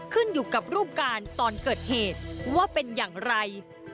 ขึ้นอยู่กับรูปการณ์ตอนเกิดเหตุว่าเป็นอย่างไร